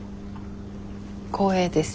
光栄です。